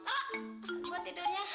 loh gua tidurnya